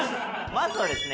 まずはですね